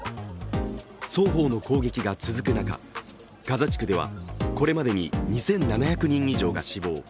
双方の攻撃が続く中、ガザ地区ではこれまでに２７００人以上が死亡。